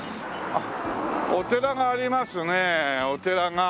お寺がありますねお寺が。